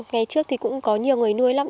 ngày trước thì cũng có nhiều người nuôi lắm